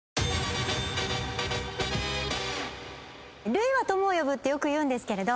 類は友を呼ぶってよく言うんですけれど。